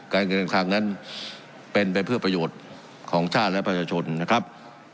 การเงินการคลังนั้นเป็นไปเพื่อประโยชน์ของชาติและประชาชนนะครับ